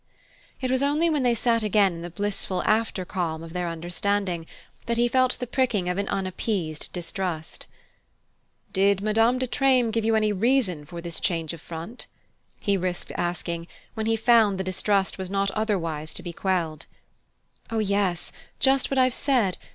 It was only when they sat again in the blissful after calm of their understanding, that he felt the pricking of an unappeased distrust. "Did Madame de Treymes give you any reason for this change of front?" he risked asking, when he found the distrust was not otherwise to be quelled. "Oh, yes: just what I've said.